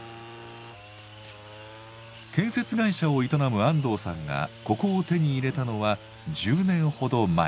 建設会社を営む安藤さんがここを手に入れたのは１０年ほど前。